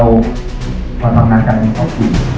พวกเรามาทำงานกันอยู่ในสุข